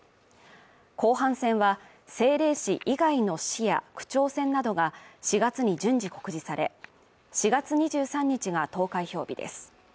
後半戦は政令市以外の市や区長選などが４月に順次告示され、４月２３日が投開票日です。